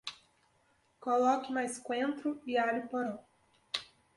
Coloque mais coentro e alho-poró